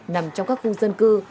nằm trong các khu dân cư